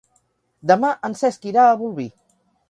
Demà en Cesc irà a Bolvir.